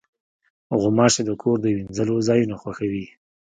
غوماشې د کور د وینځلو ځایونه خوښوي.